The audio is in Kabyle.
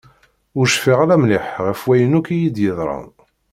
Ur cfiɣ ara mliḥ ɣef wayen akk iyi-d-yeḍran.